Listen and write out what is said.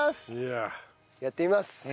やってみます。